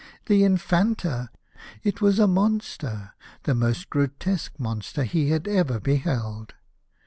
The Infanta ! It was a monster, the most grotesque monster he had ever beheld.